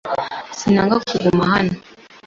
Sinanga kuguma hano.